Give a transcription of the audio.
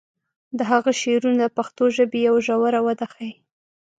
د هغه شعرونه د پښتو ژبې یوه ژوره وده ښیي.